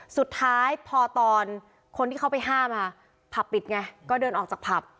สุดท้ายพอตอนคนที่เข้าไปห้ามมาผับปิดไงก็เดินออกจากผับ